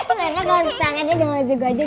karena kalau disangatnya jangan maju maju